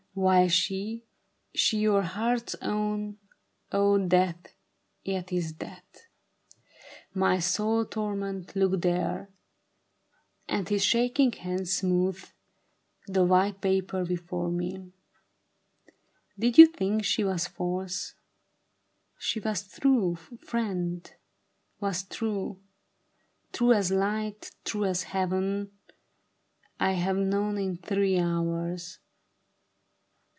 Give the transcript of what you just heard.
While she — she your heart's own — O death I yet is that My soul torment, look there !" and his shaking hand smoothed The white paper before me. " Did you think she was false ? She was true, friend, was true ; true as light, true as Heaven, I have known it three hours.